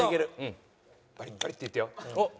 バリッバリッていってよ。